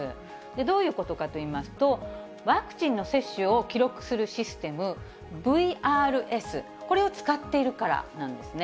どういうことかといいますと、ワクチンの接種を記録するシステム、ＶＲＳ、これを使っているからなんですね。